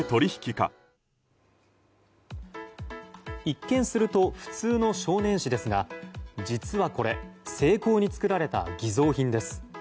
一見すると普通の少年誌ですが実はこれ精巧に作られた偽造品です。